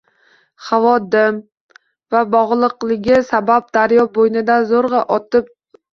Havo dim va boʻgʻiqligi sabab daryo boʻyidan zoʻrgʻa oʻtib oldi